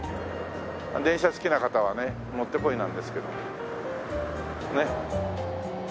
電車好きな方はねもってこいなんですけど。